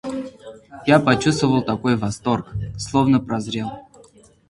Я почувствовал такой восторг... словно прозрел!